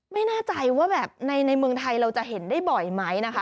ไม่แน่ใจว่าแบบในเมืองไทยเราจะเห็นได้บ่อยไหมนะคะ